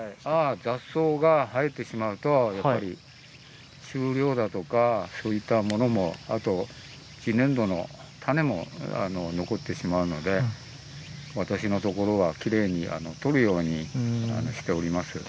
雑草が生えてしまうとやっぱり収量だとかそういったものもあと種も残ってしまうので私のところはきれいに取るようにしております。